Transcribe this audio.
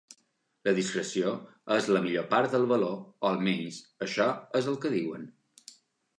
La discreció és la millor part del valor, o almenys això és el que diuen.